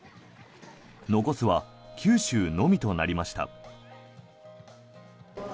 残すは九州のみとなりました。